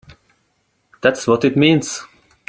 That's what it means!